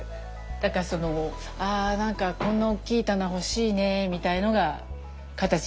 だからそのあなんかこんな大きい棚欲しいねみたいのが形になって。